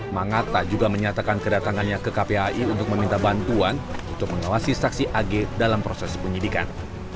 mangata juga menyatakan kedatangannya ke kpai untuk meminta bantuan untuk mengawasi saksi ag dalam proses penyidikan